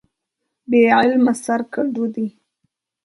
بې عمله سر کډو دى.